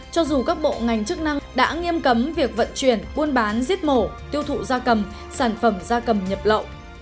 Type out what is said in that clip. cho dù các bộ ngành chức năng đã nghiêm cấm việc vận chuyển buôn bán giết mổ tiêu thụ gia cầm sản phẩm da cầm nhập lậu